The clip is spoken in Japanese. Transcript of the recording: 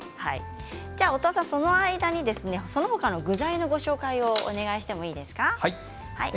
その間にその他の具材のご紹介をお願いしてもいいですか？